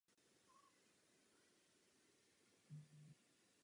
V Srbsku se stal legendární postavou a pravoslavná církev ho uznává jako světce.